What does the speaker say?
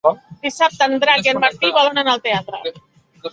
Dissabte en Drac i en Martí volen anar al teatre.